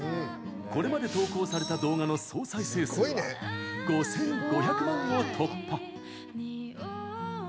これまで投稿された動画の総再生数は５５００万を突破！